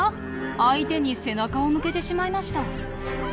相手に背中を向けてしまいました。